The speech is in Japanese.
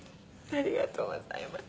ありがとうございます。